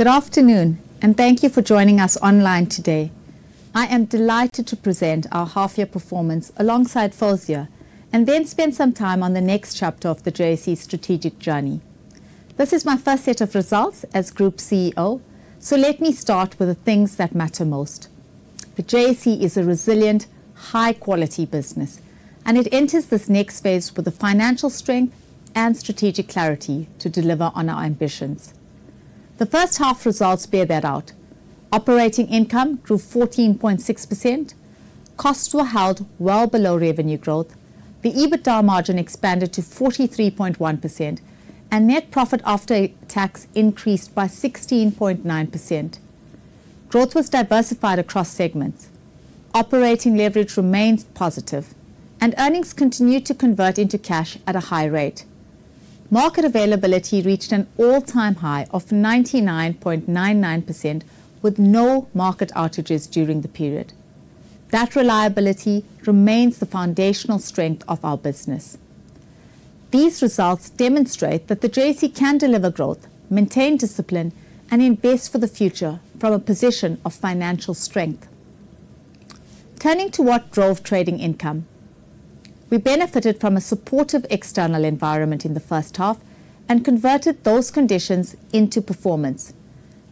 Good afternoon. Thank you for joining us online today. I am delighted to present our half-year performance alongside Fawzia. Then spend some time on the next chapter of the JSE's strategic journey. This is my first set of results as Group CEO. Let me start with the things that matter most. The JSE is a resilient, high-quality business. It enters this next phase with the financial strength and strategic clarity to deliver on our ambitions. The first half results bear that out. Operating income grew 14.6%. Costs were held well below revenue growth. The EBITDA margin expanded to 43.1%. Net profit after tax increased by 16.9%. Growth was diversified across segments. Operating leverage remains positive. Earnings continue to convert into cash at a high rate. Market availability reached an all-time high of 99.99% with no market outages during the period. That reliability remains the foundational strength of our business. These results demonstrate that the JSE can deliver growth, maintain discipline. Invest for the future from a position of financial strength. Turning to what drove trading income. We benefited from a supportive external environment in the first half. Converted those conditions into performance.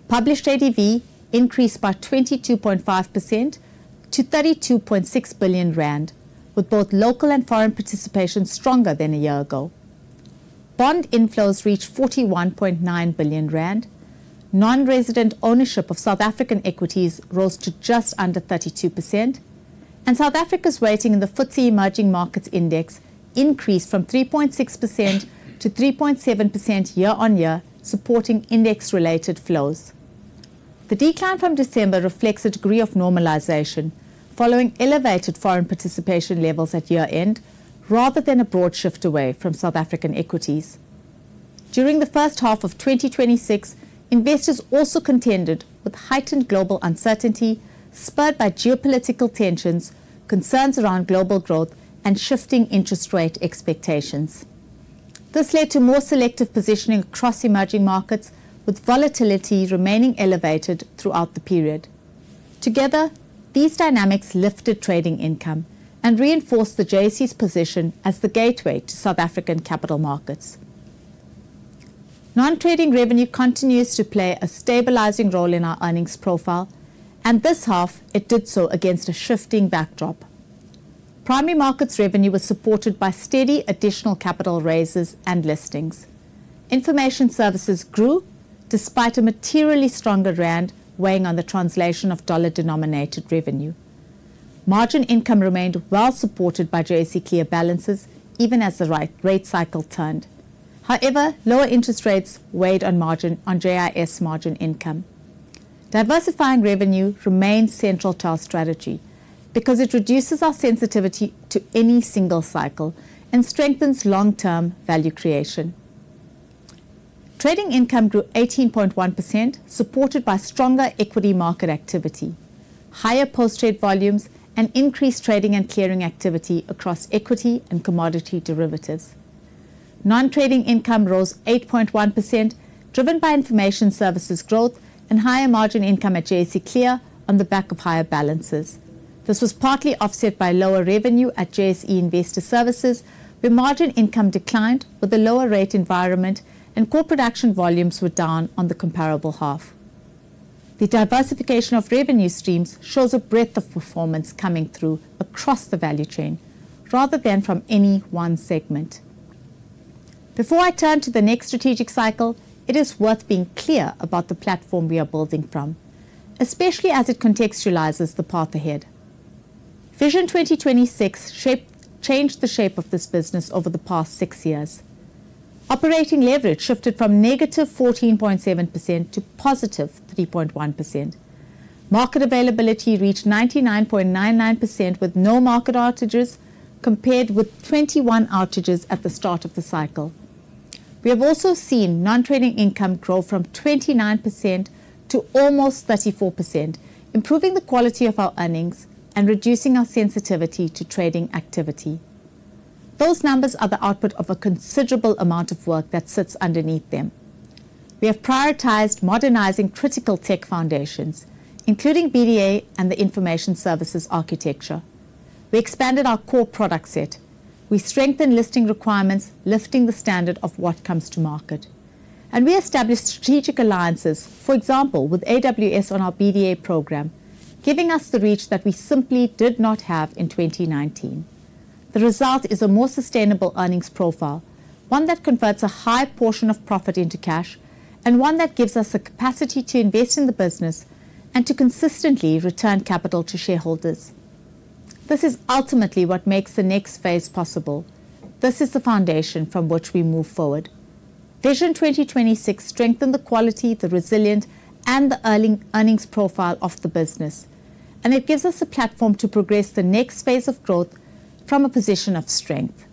Published ADV increased by 22.5% to 32.6 billion rand, with both local and foreign participation stronger than a year ago. Bond inflows reached 41.9 billion rand. Non-resident ownership of South African equities rose to just under 32%. South Africa's weighting in the FTSE Emerging Index increased from 3.6% to 3.7% year-on-year, supporting index related flows. The decline from December reflects a degree of normalization following elevated foreign participation levels at year-end, rather than a broad shift away from South African equities. During the first half of 2026, investors also contended with heightened global uncertainty spurred by geopolitical tensions, concerns around global growth. Shifting interest rate expectations. This led to more selective positioning across emerging markets, with volatility remaining elevated throughout the period. Together, these dynamics lifted trading income. Reinforced the JSE's position as the gateway to South African capital markets. Non-trading revenue continues to play a stabilizing role in our earnings profile. This half it did so against a shifting backdrop. Primary markets revenue was supported by steady additional capital raises and listings. Information services grew despite a materially stronger ZAR weighing on the translation of USD-denominated revenue. Margin income remained well supported by JSE Clear balances even as the rate cycle turned. However, lower interest rates weighed on JIS margin income. Diversifying revenue remains central to our strategy because it reduces our sensitivity to any single cycle. Strengthens long-term value creation. Trading income grew 18.1%, supported by stronger equity market activity, higher post-trade volumes. Increased trading and clearing activity across equity and commodity derivatives. Non-trading income rose 8.1%, driven by information services growth and higher margin income at JSE Clear on the back of higher balances. This was partly offset by lower revenue at JSE Investor Services, where margin income declined with the lower rate environment. Corporate action volumes were down on the comparable half. The diversification of revenue streams shows a breadth of performance coming through across the value chain rather than from any one segment. Before I turn to the next strategic cycle, it is worth being clear about the platform we are building from, especially as it contextualizes the path ahead. Vision 2026 changed the shape of this business over the past six years. Operating leverage shifted from -14.7% to +3.1%. Market availability reached 99.99% with no market outages, compared with 21 outages at the start of the cycle. We have also seen non-trading income grow from 29% to almost 34%, improving the quality of our earnings and reducing our sensitivity to trading activity. Those numbers are the output of a considerable amount of work that sits underneath them. We have prioritized modernizing critical tech foundations, including BDA and the information services architecture. We expanded our core product set. We strengthened listing requirements, lifting the standard of what comes to market. We established strategic alliances, for example, with AWS on our BDA program, giving us the reach that we simply did not have in 2019. The result is a more sustainable earnings profile, one that converts a high portion of profit into cash, and one that gives us the capacity to invest in the business and to consistently return capital to shareholders. This is ultimately what makes the next phase possible. This is the foundation from which we move forward. Vision 2026 strengthened the quality, the resilience, and the earnings profile of the business, and it gives us a platform to progress the next phase of growth from a position of strength.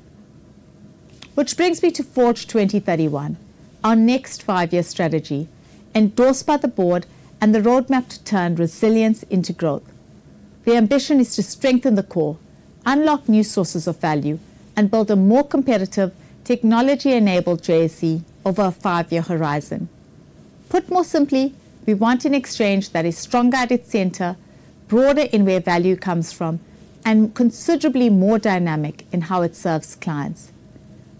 Which brings me to FORGE 2031, our next five-year strategy, endorsed by the board and the roadmap to turn resilience into growth. The ambition is to strengthen the core, unlock new sources of value, and build a more competitive technology-enabled JSE over a five-year horizon. Put more simply, we want an exchange that is stronger at its center, broader in where value comes from, and considerably more dynamic in how it serves clients.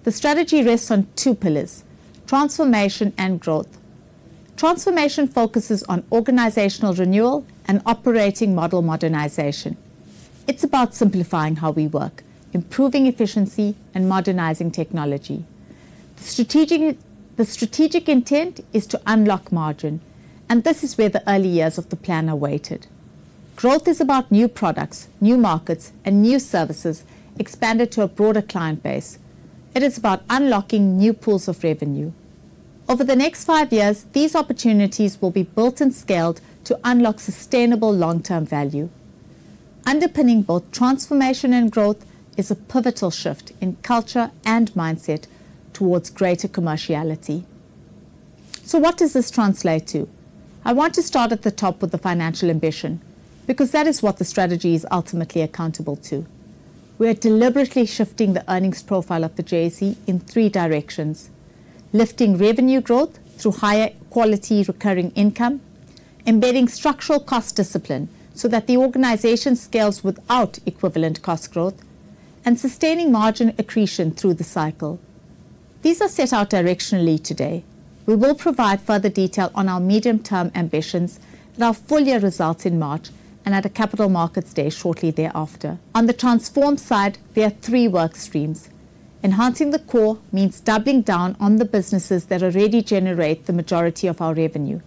The strategy rests on two pillars, transformation and growth. Transformation focuses on organizational renewal and operating model modernization. It's about simplifying how we work, improving efficiency, and modernizing technology. The strategic intent is to unlock margin, and this is where the early years of the plan are weighted. Growth is about new products, new markets, and new services expanded to a broader client base. It is about unlocking new pools of revenue. Over the next five years, these opportunities will be built and scaled to unlock sustainable long-term value. Underpinning both transformation and growth is a pivotal shift in culture and mindset towards greater commerciality. What does this translate to? I want to start at the top with the financial ambition, because that is what the strategy is ultimately accountable to. We're deliberately shifting the earnings profile of the JSE in three directions: lifting revenue growth through higher quality recurring income, embedding structural cost discipline so that the organization scales without equivalent cost growth, and sustaining margin accretion through the cycle. These are set out directionally today. We will provide further detail on our medium-term ambitions with our full year results in March, and at a capital markets day shortly thereafter. On the transform side, there are three work streams. Enhancing the core means doubling down on the businesses that already generate the majority of our revenue.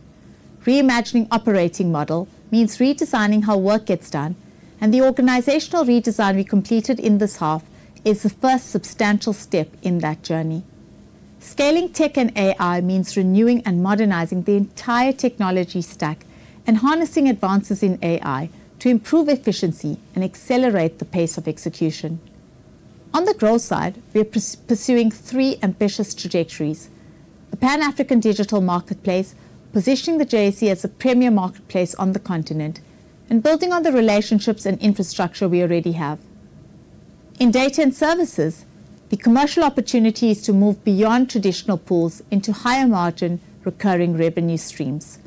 Reimagining operating model means redesigning how work gets done, and the organizational redesign we completed in this half is the first substantial step in that journey. Scaling tech and AI means renewing and modernizing the entire technology stack and harnessing advances in AI to improve efficiency and accelerate the pace of execution. On the growth side, we are pursuing three ambitious trajectories. The Pan-African digital marketplace, positioning the JSE as a premier marketplace on the continent, and building on the relationships and infrastructure we already have. In data and services, the commercial opportunity is to move beyond traditional pools into higher margin recurring revenue streams.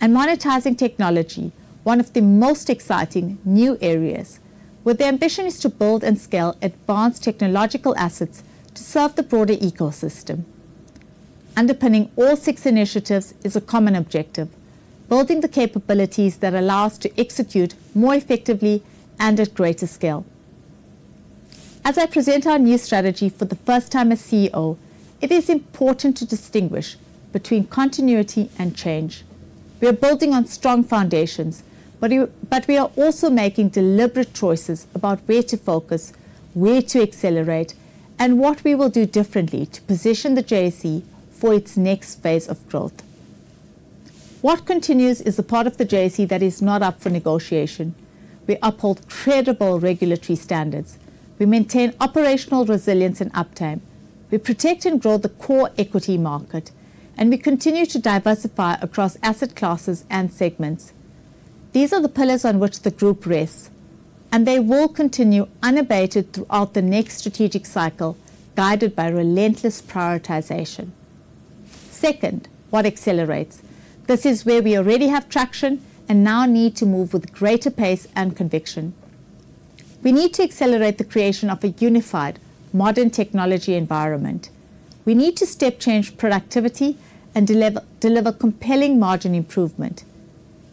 Monetizing technology, one of the most exciting new areas, where the ambition is to build and scale advanced technological assets to serve the broader ecosystem. Underpinning all six initiatives is a common objective, building the capabilities that allow us to execute more effectively and at greater scale. As I present our new strategy for the first time as CEO, it is important to distinguish between continuity and change. We're building on strong foundations. We are also making deliberate choices about where to focus, where to accelerate, and what we will do differently to position the JSE for its next phase of growth. What continues is the part of the JSE that is not up for negotiation. We uphold credible regulatory standards. We maintain operational resilience and uptime. We protect and grow the core equity market, and we continue to diversify across asset classes and segments. These are the pillars on which the group rests, and they will continue unabated throughout the next strategic cycle, guided by relentless prioritization. Second, what accelerates? This is where we already have traction and now need to move with greater pace and conviction. We need to accelerate the creation of a unified modern technology environment. We need to step change productivity and deliver compelling margin improvement.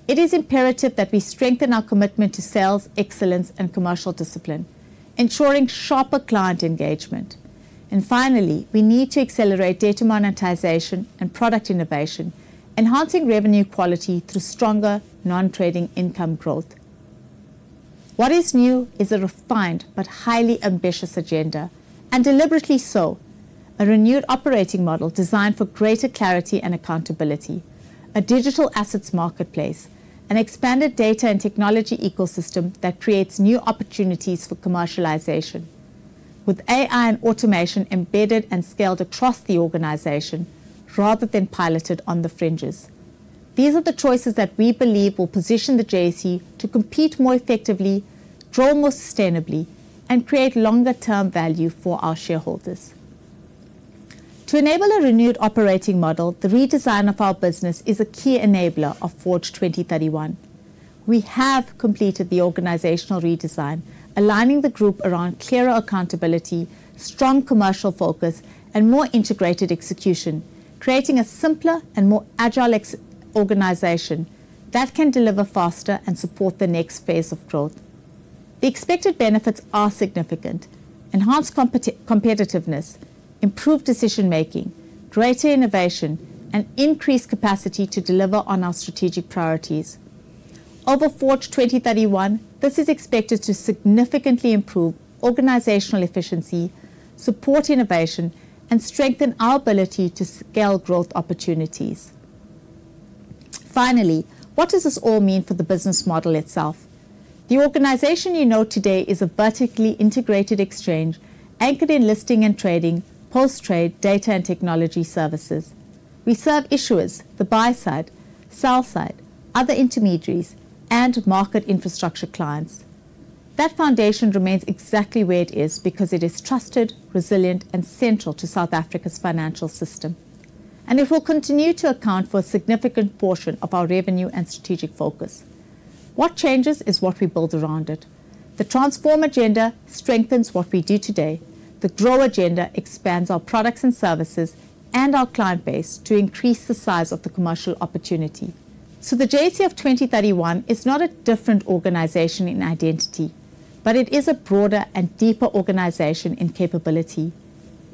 It is imperative that we strengthen our commitment to sales excellence and commercial discipline, ensuring sharper client engagement. Finally, we need to accelerate data monetization and product innovation, enhancing revenue quality through stronger non-trading income growth. What is new is a refined but highly ambitious agenda, and deliberately so. A renewed operating model designed for greater clarity and accountability, a digital assets marketplace, an expanded data and technology ecosystem that creates new opportunities for commercialization. With AI and automation embedded and scaled across the organization rather than piloted on the fringes. These are the choices that we believe will position the JSE to compete more effectively, grow more sustainably, and create longer-term value for our shareholders. To enable a renewed operating model, the redesign of our business is a key enabler of FORGE 2031. We have completed the organizational redesign, aligning the group around clearer accountability, strong commercial focus, and more integrated execution, creating a simpler and more agile organization that can deliver faster and support the next phase of growth. The expected benefits are significant. Enhanced competitiveness, improved decision-making, greater innovation, and increased capacity to deliver on our strategic priorities. Over FORGE 2031, this is expected to significantly improve organizational efficiency, support innovation, and strengthen our ability to scale growth opportunities. Finally, what does this all mean for the business model itself? The organization you know today is a vertically integrated exchange anchored in listing and trading, post-trade data and technology services. We serve issuers, the buy side, sell side, other intermediaries, and market infrastructure clients. That foundation remains exactly where it is because it is trusted, resilient, and central to South Africa's financial system. It will continue to account for a significant portion of our revenue and strategic focus. What changes is what we build around it. The transform agenda strengthens what we do today. The grow agenda expands our products and services and our client base to increase the size of the commercial opportunity. The JSE of 2031 is not a different organization in identity, but it is a broader and deeper organization in capability.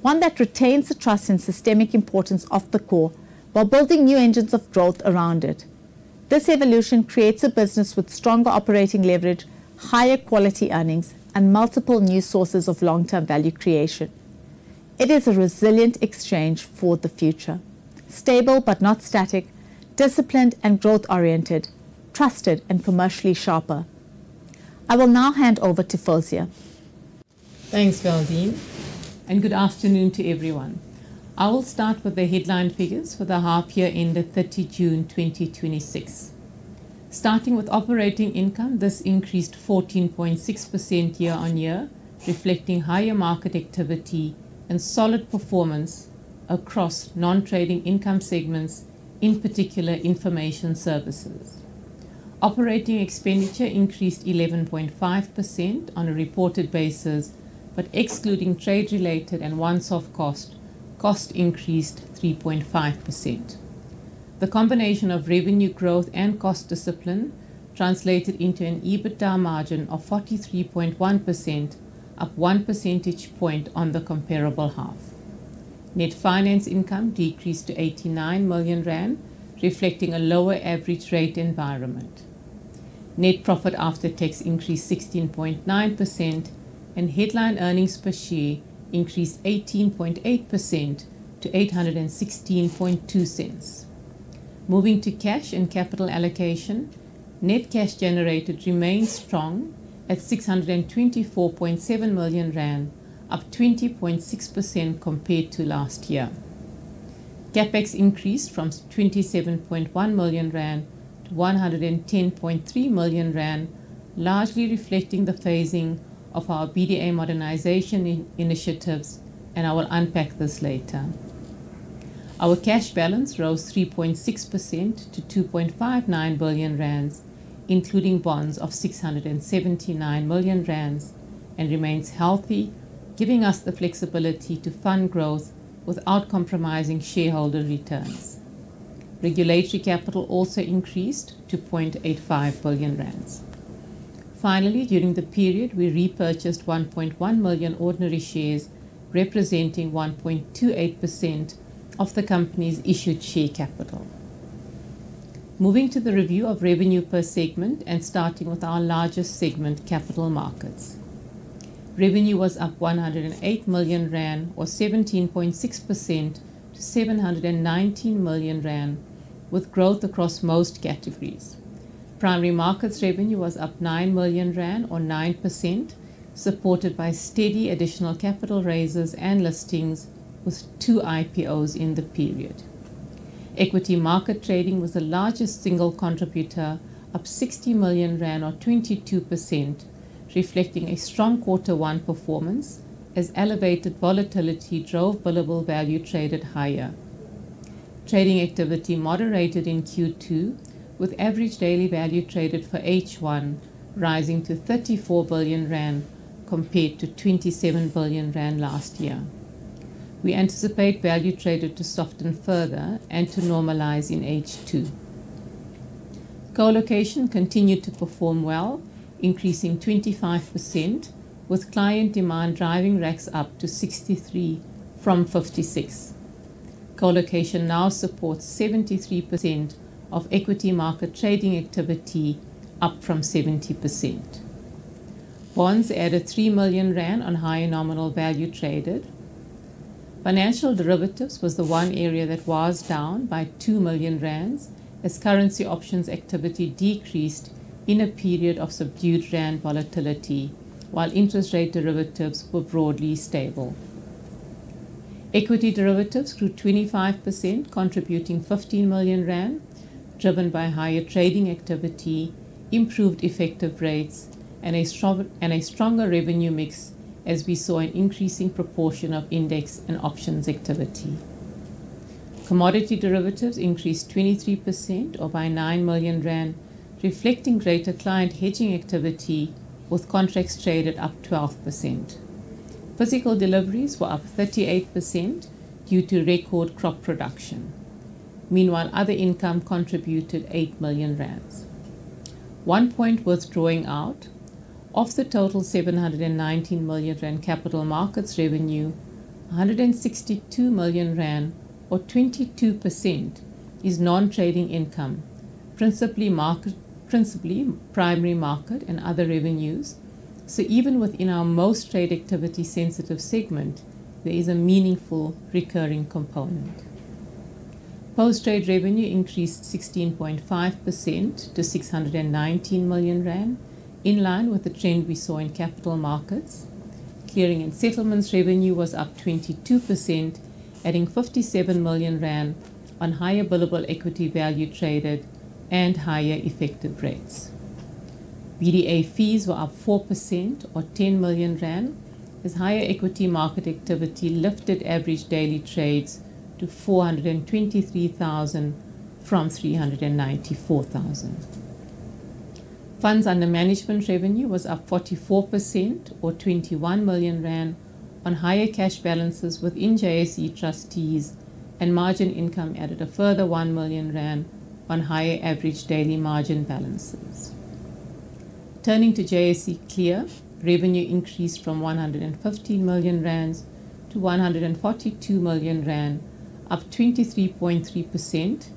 One that retains the trust and systemic importance of the core while building new engines of growth around it. This evolution creates a business with stronger operating leverage, higher quality earnings, and multiple new sources of long-term value creation. It is a resilient exchange for the future, stable but not static, disciplined and growth-oriented, trusted, and commercially sharper. I will now hand over to Fawzia. Thanks, Valdene, and good afternoon to everyone. I will start with the headline figures for the half-year end of 30 June 2026. Starting with operating income, this increased 14.6% year-on-year, reflecting higher market activity and solid performance across non-trading income segments, in particular, information services. Operating expenditure increased 11.5% on a reported basis, but excluding trade-related and once-off costs, increased 3.5%. The combination of revenue growth and cost discipline translated into an EBITDA margin of 43.1%, up one percentage point on the comparable half. Net finance income decreased to 89 million rand, reflecting a lower average rate environment. Net profit after tax increased 16.9%, and headline earnings per share increased 18.8% to 8.162. Moving to cash and capital allocation, net cash generated remains strong at 624.7 million rand, up 20.6% compared to last year. CapEx increased from 27.1 million rand to 110.3 million rand, largely reflecting the phasing of our BDA modernization initiatives, and I will unpack this later. Our cash balance rose 3.6% to 2.59 billion rand, including bonds of 679 million rand, and remains healthy, giving us the flexibility to fund growth without compromising shareholder returns. Regulatory capital also increased to 0.85 billion rand. Finally, during the period, we repurchased 1.1 million ordinary shares, representing 1.28% of the company's issued share capital. Moving to the review of revenue per segment and starting with our largest segment, capital markets. Revenue was up 108 million rand, or 17.6%, to 719 million rand, with growth across most categories. Primary markets revenue was up 9 million rand, or 9%, supported by steady additional capital raises and listings with two IPOs in the period. Equity market trading was the largest single contributor, up 60 million rand or 22%, reflecting a strong Q1 performance as elevated volatility drove billable value traded higher. Trading activity moderated in Q2, with average daily value traded for H1 rising to 34 billion rand compared to 27 billion rand last year. We anticipate value traded to soften further and to normalize in H2. Colocation continued to perform well, increasing 25%, with client demand driving racks up to 63 from 56. Colocation now supports 73% of equity market trading activity, up from 70%. Bonds added 3 million rand on higher nominal value traded. Financial derivatives was the one area that was down by 2 million rand as currency options activity decreased in a period of subdued ZAR volatility, while interest rate derivatives were broadly stable. Equity derivatives grew 25%, contributing 15 million rand, driven by higher trading activity, improved effective rates, and a stronger revenue mix as we saw an increasing proportion of index and options activity. Commodity derivatives increased 23%, or by 9 million rand, reflecting greater client hedging activity with contracts traded up 12%. Physical deliveries were up 38% due to record crop production. Meanwhile, other income contributed 8 million rand. One point worth drawing out, of the total 719 million rand capital markets revenue, 162 million rand, or 22%, is non-trading income, principally primary market and other revenues. Even within our most trade activity sensitive segment, there is a meaningful recurring component. Post trade revenue increased 16.5% to 619 million rand, in line with the trend we saw in capital markets. Clearing and settlements revenue was up 22%, adding 57 million rand on higher billable equity value traded and higher effective rates. BDA fees were up 4% or 10 million rand, as higher equity market activity lifted average daily trades to 423,000 from 394,000. Funds under management revenue was up 44% or 21 million rand on higher cash balances within JSE Trustees, and margin income added a further 1 million rand on higher average daily margin balances. Turning to JSE Clear, revenue increased from 115 million rand to 142 million rand, up 23.3%,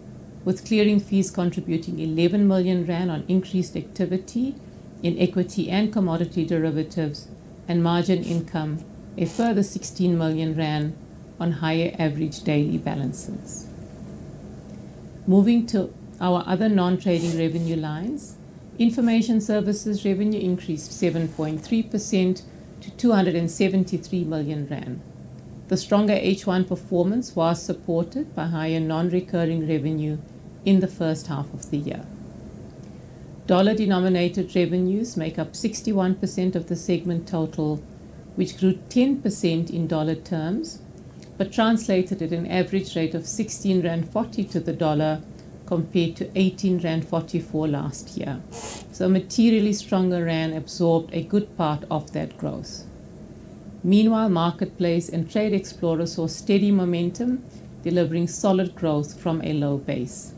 with clearing fees contributing 11 million rand on increased activity in equity and commodity derivatives, and margin income a further 16 million rand on higher average daily balances. Moving to our other non-trading revenue lines, information services revenue increased 7.3% to 273 million rand. The stronger H1 performance was supported by higher non-recurring revenue in the first half of the year. Dollar-denominated revenues make up 61% of the segment total, which grew 10% in USD terms, but translated at an average rate of 16.40 rand to the USD, compared to 18.44 rand last year. A materially stronger rand absorbed a good part of that growth. Meanwhile, JSE MarketPlace and JSE Trade Explorer saw steady momentum, delivering solid growth from a low base.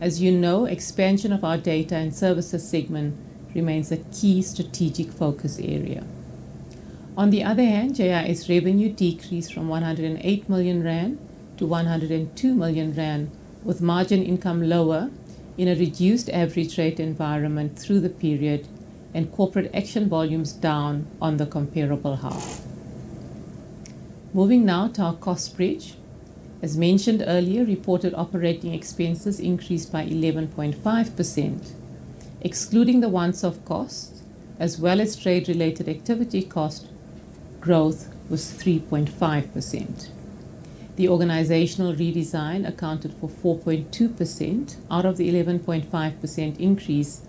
As you know, expansion of our data and services segment remains a key strategic focus area. On the other hand, JIS revenue decreased from 108 million rand to 102 million rand, with margin income lower in a reduced average rate environment through the period and corporate action volumes down on the comparable half. Moving now to our cost bridge. As mentioned earlier, reported operating expenses increased by 11.5%. Excluding the once-off costs, as well as trade-related activity cost, growth was 3.5%. The organizational redesign accounted for 4.2% out of the 11.5% increase,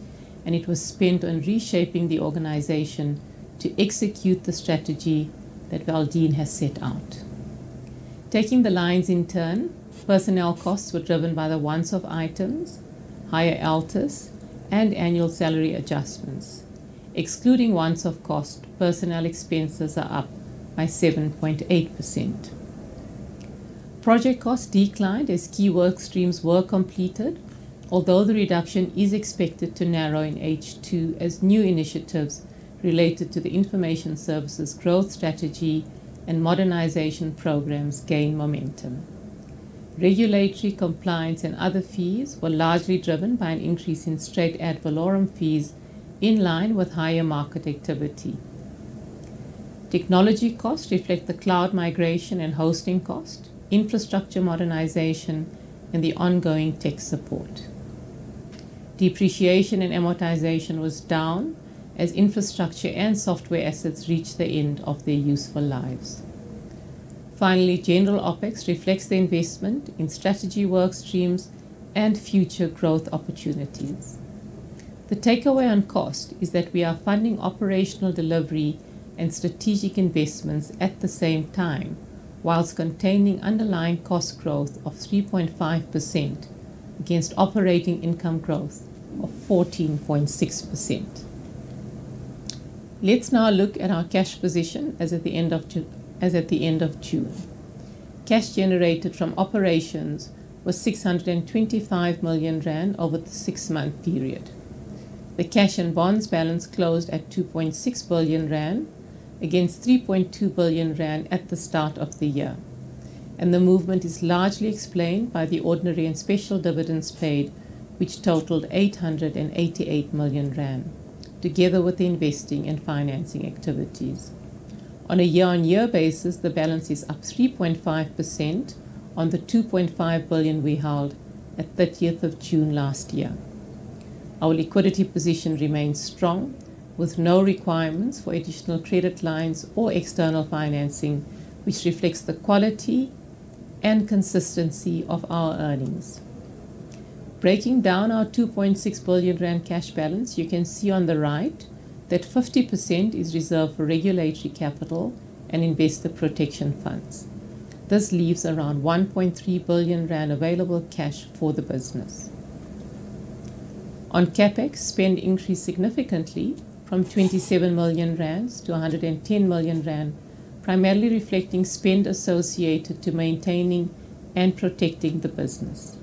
and it was spent on reshaping the organization to execute the strategy that Valdene has set out. Taking the lines in turn, personnel costs were driven by the once-off items, higher ALTIs, and annual salary adjustments. Excluding once-off cost, personnel expenses are up by 7.8%. Project costs declined as key workstreams were completed, although the reduction is expected to narrow in H2 as new initiatives related to the information services growth strategy and modernization programs gain momentum. Regulatory compliance and other fees were largely driven by an increase in straight ad valorem fees in line with higher market activity. Technology costs reflect the cloud migration and hosting cost, infrastructure modernization, and the ongoing tech support. Depreciation and amortization was down as infrastructure and software assets reached the end of their useful lives. Finally, general OpEx reflects the investment in strategy workstreams and future growth opportunities. The takeaway on cost is that we are funding operational delivery and strategic investments at the same time whilst containing underlying cost growth of 3.5% against operating income growth of 14.6%. Let's now look at our cash position as at the end of June. Cash generated from operations was 625 million rand over the six-month period. The cash and bonds balance closed at 2.6 billion rand against 3.2 billion rand at the start of the year. The movement is largely explained by the ordinary and special dividends paid, which totaled 888 million rand, together with the investing and financing activities. On a year-on-year basis, the balance is up 3.5% on the 2.5 billion we held at 30th of June last year. Our liquidity position remains strong, with no requirements for additional credit lines or external financing, which reflects the quality and consistency of our earnings. Breaking down our 2.6 billion rand cash balance, you can see on the right that 50% is reserved for regulatory capital and investor protection funds. This leaves around 1.3 billion rand available cash for the business. On CapEx, spend increased significantly from 27 million rand to 110 million rand, primarily reflecting spend associated to maintaining and protecting the business.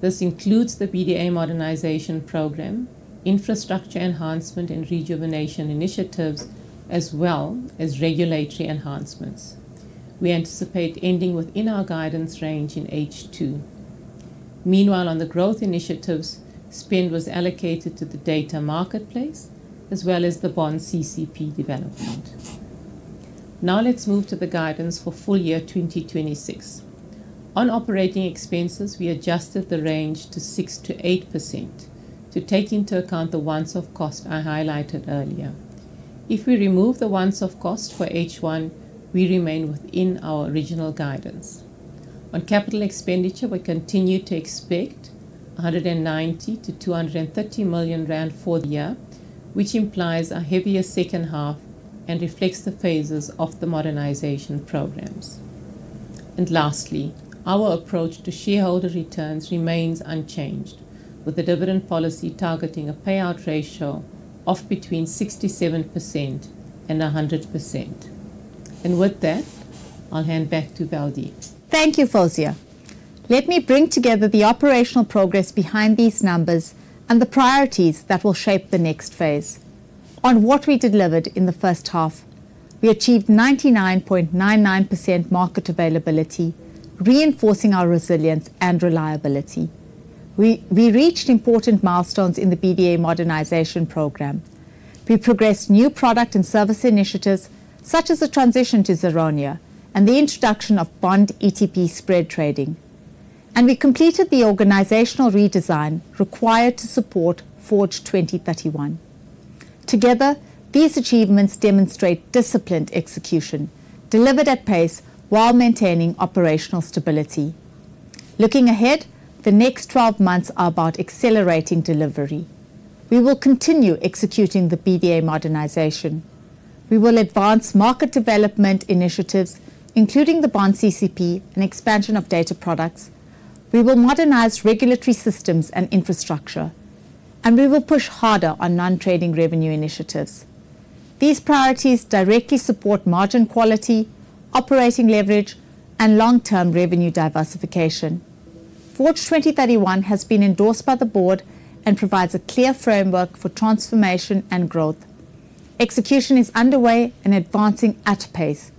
This includes the BDA modernization program, infrastructure enhancement, and rejuvenation initiatives, as well as regulatory enhancements. We anticipate ending within our guidance range in H2. Meanwhile, on the growth initiatives, spend was allocated to the JSE MarketPlace as well as the bond CCP development. Let's now move to the guidance for full year 2026. On operating expenses, we adjusted the range to 6%-8% to take into account the once-off cost I highlighted earlier. If we remove the once-off cost for H1, we remain within our original guidance. On capital expenditure, we continue to expect 190 million-230 million rand for the year, which implies a heavier second half and reflects the phases of the modernization programs. Lastly, our approach to shareholder returns remains unchanged, with the dividend policy targeting a payout ratio of between 67% and 100%. With that, I'll hand back to Valdene Reddy. Thank you, Fawzia. Let me bring together the operational progress behind these numbers and the priorities that will shape the next phase. On what we delivered in the first half, we achieved 99.99% market availability, reinforcing our resilience and reliability. We reached important milestones in the BDA modernization program. We progressed new product and service initiatives such as the transition to ZARONIA and the introduction of Bond ETP spread trading, and we completed the organizational redesign required to support FORGE 2031. Together, these achievements demonstrate disciplined execution delivered at pace while maintaining operational stability. Looking ahead, the next 12 months are about accelerating delivery. We will continue executing the BDA modernization. We will advance market development initiatives, including the bond CCP and expansion of data products. We will modernize regulatory systems and infrastructure, and we will push harder on non-trading revenue initiatives. These priorities directly support margin quality, operating leverage, and long-term revenue diversification. FORGE 2031 has been endorsed by the board and provides a clear framework for transformation and growth. Execution is underway and advancing at a pace.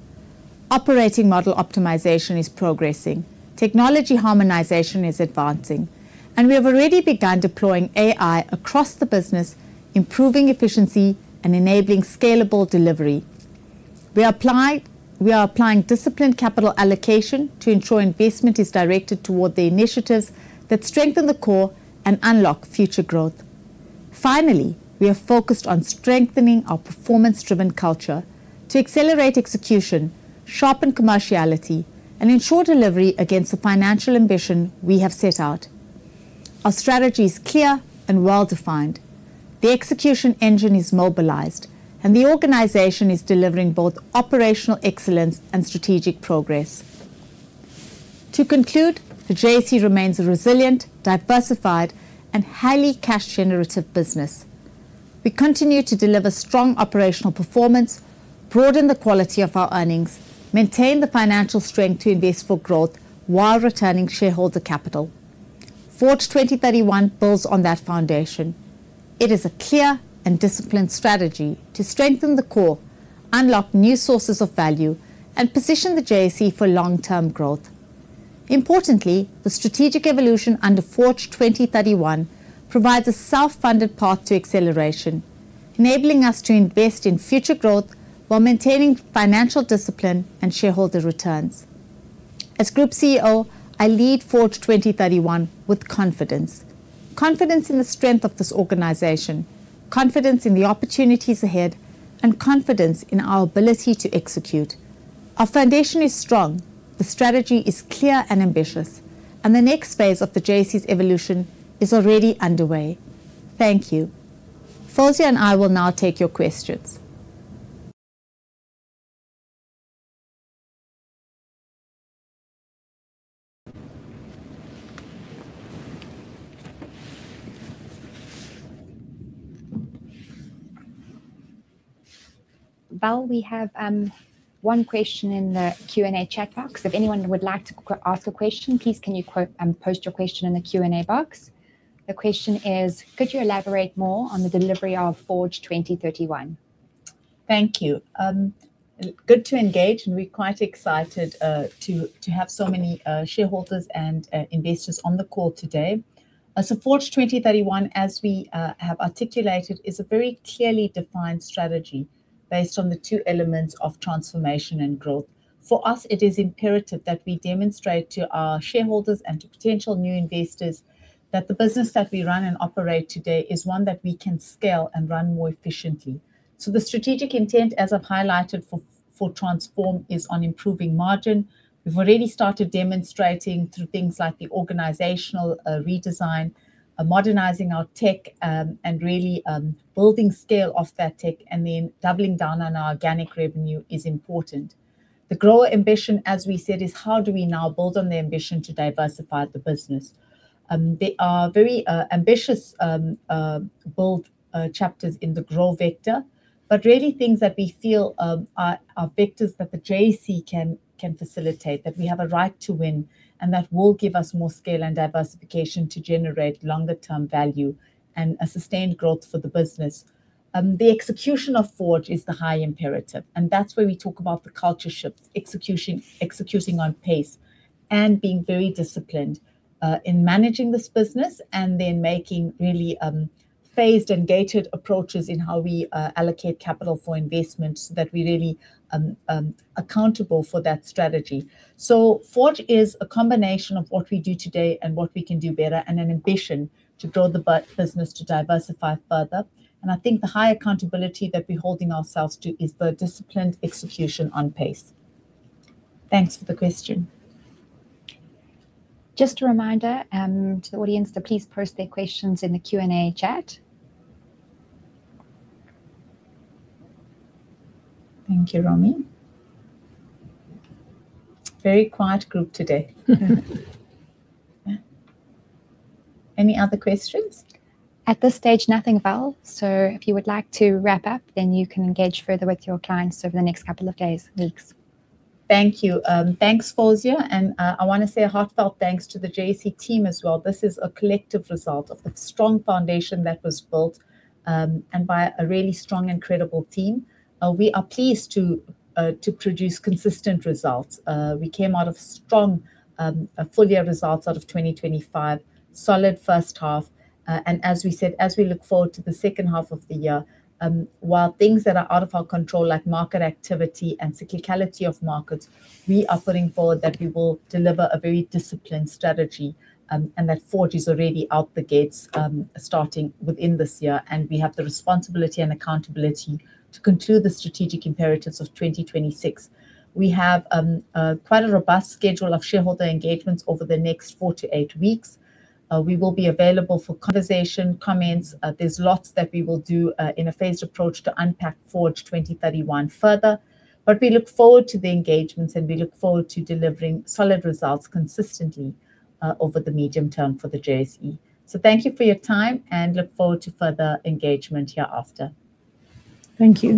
Operating model optimization is progressing. Technology harmonization is advancing. We have already begun deploying AI across the business, improving efficiency and enabling scalable delivery. We are applying disciplined capital allocation to ensure investment is directed toward the initiatives that strengthen the core and unlock future growth. Finally, we are focused on strengthening our performance-driven culture to accelerate execution, sharpen commerciality, and ensure delivery against the financial ambition we have set out. Our strategy is clear and well-defined. The execution engine is mobilized, and the organization is delivering both operational excellence and strategic progress. To conclude, the JSE remains a resilient, diversified, and highly cash-generative business. We continue to deliver strong operational performance, broaden the quality of our earnings, maintain the financial strength to invest for growth while returning shareholder capital. FORGE 2031 builds on that foundation. It is a clear and disciplined strategy to strengthen the core, unlock new sources of value, and position the JSE for long-term growth. Importantly, the strategic evolution under FORGE 2031 provides a self-funded path to acceleration, enabling us to invest in future growth while maintaining financial discipline and shareholder returns. As Group CEO, I lead FORGE 2031 with confidence. Confidence in the strength of this organization, confidence in the opportunities ahead, and confidence in our ability to execute. Our foundation is strong, the strategy is clear and ambitious, and the next phase of the JSE's evolution is already underway. Thank you. Fawzia and I will now take your questions. Val, we have one question in the Q&A chat box. If anyone would like to ask a question, please can you post your question in the Q&A box. The question is: Could you elaborate more on the delivery of FORGE 2031? Thank you. Good to engage, and we're quite excited to have so many shareholders and investors on the call today. FORGE 2031, as we have articulated, is a very clearly defined strategy based on the two elements of transformation and growth. For us, it is imperative that we demonstrate to our shareholders and to potential new investors that the business that we run and operate today is one that we can scale and run more efficiently. The strategic intent, as I've highlighted for transform, is on improving margin. We've already started demonstrating through things like the organizational redesign, modernizing our tech, and really building scale off that tech and then doubling down on our organic revenue is important. The growth ambition, as we said, is how do we now build on the ambition to diversify the business? There are very ambitious, bold chapters in the growth vector, but really things that we feel are vectors that the JSE can facilitate, that we have a right to win, and that will give us more scale and diversification to generate longer-term value and a sustained growth for the business. The execution of FORGE is the high imperative, and that's where we talk about the culture shift, executing on pace, and being very disciplined in managing this business and then making really phased and gated approaches in how we allocate capital for investments that we really accountable for that strategy. FORGE is a combination of what we do today and what we can do better, and an ambition to grow the business, to diversify further. I think the high accountability that we're holding ourselves to is the disciplined execution on pace. Thanks for the question. Just a reminder to the audience to please post their questions in the Q&A chat. Thank you, Romy. Very quiet group today. Any other questions? At this stage, nothing, Val. If you would like to wrap up, then you can engage further with your clients over the next couple of days, weeks. Thank you. Thanks, Fawzia, and I want to say a heartfelt thanks to the JSE team as well. This is a collective result of the strong foundation that was built, and by a really strong and credible team. We are pleased to produce consistent results. We came out of strong full year results out of 2025, solid first half. As we said, as we look forward to the second half of the year, while things that are out of our control, like market activity and cyclicality of markets, we are putting forward that we will deliver a very disciplined strategy, and that FORGE is already out the gates, starting within this year. We have the responsibility and accountability to continue the strategic imperatives of 2026. We have quite a robust schedule of shareholder engagements over the next four to eight weeks. We will be available for conversation, comments. There's lots that we will do in a phased approach to unpack FORGE 2031 further. We look forward to the engagements, and we look forward to delivering solid results consistently over the medium term for the JSE. Thank you for your time, and look forward to further engagement hereafter. Thank you